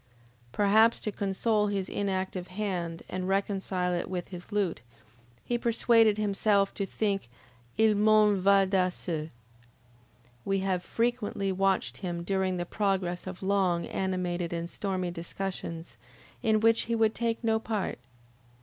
Perhaps to console his inactive hand an reconcile it with his lute, he persuaded himself to think: Il mondo va da se. We have frequently watched him during the progress of long, animated, and stormy discussions, in which he would take no part.